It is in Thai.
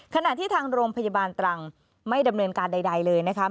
ขณะที่ทางโรงพยาบาลตรังไม่ดำเนินการใดเลยนะคะ